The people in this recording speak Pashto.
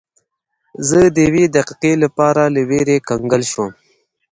زه د یوې دقیقې لپاره له ویرې کنګل شوم.